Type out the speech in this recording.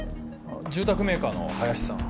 住宅メーカーの林さん。